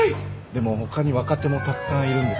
でも他に若手もたくさんいるんですよ。